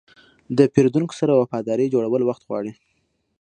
د پیرودونکو سره وفاداري جوړول وخت غواړي.